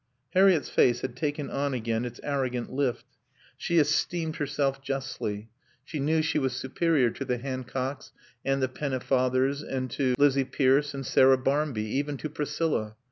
Harriett's face had taken on again its arrogant lift. She esteemed herself justly. She knew she was superior to the Hancocks and the Pennefathers and to Lizzie Pierce and Sarah Barmby; even to Priscilla.